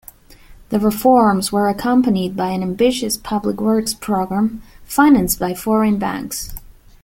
The reforms were accompanied by an ambitious public works program, financed by foreign banks.